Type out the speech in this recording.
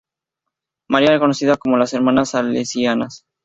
María, conocida como las "Hermanas Salesianas".